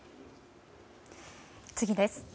次です。